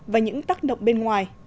và những tác động bên ngoài